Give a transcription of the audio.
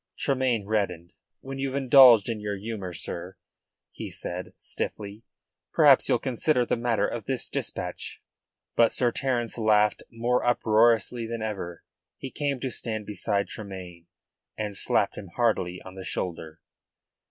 Tremayne reddened. "When you've indulged your humour, sir," he said stiffly, "perhaps you'll consider the matter of this dispatch." But Sir Terence laughed more uproariously than ever. He came to stand beside Tremayne, and slapped him heartily on the shoulder.